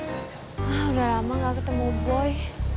ah udah lama gak ketemu boy